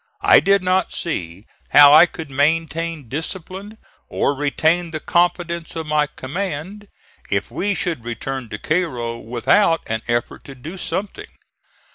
I did not see how I could maintain discipline, or retain the confidence of my command, if we should return to Cairo without an effort to do something.